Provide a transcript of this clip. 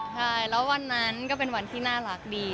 ใช่แล้ววันนั้นก็เป็นวันที่น่ารักดี